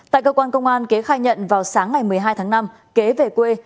tại cơ quan công an kế khai nhận vào sáng ngày một mươi hai tháng năm kế về quê